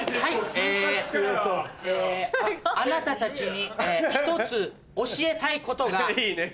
えあなたたちに１つ教えたいことがあります。